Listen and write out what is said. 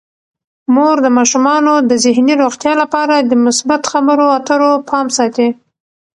مور د ماشومانو د ذهني روغتیا لپاره د مثبت خبرو اترو پام ساتي.